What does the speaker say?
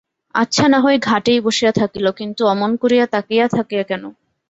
আচ্ছা, নাহয় ঘাটেই বসিয়া থাকিল, কিন্তু অমন করিয়া তাকাইয়া থাকে কেন।